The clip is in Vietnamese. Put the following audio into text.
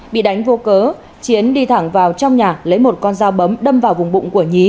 bị đánh vô cớ chiến đi thẳng vào trong nhà lấy một con dao bấm đâm vào vùng bụng của nhí